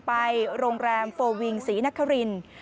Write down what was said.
ไปโรงแรมโฟลวิงศรีนคริน